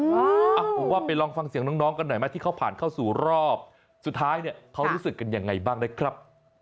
ผมว่าไปลองฟังเสียงน้องกันหน่อยไหมที่เขาผ่านเข้าสู่รอบสุดท้ายเนี่ยเขารู้สึกกันยังไงบ้างนะครับ